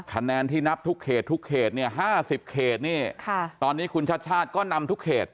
คะแนนที่นับทุกเขตทุกเขตเนี่ย๕๐เขตนี่ตอนนี้คุณชาติชาติก็นำทุกเขต